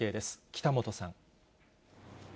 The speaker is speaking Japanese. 北本さん。